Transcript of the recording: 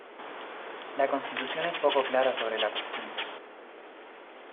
La Constitución es poco clara sobre la cuestión.